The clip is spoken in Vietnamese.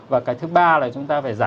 và cái thứ ba là chúng ta phải giảm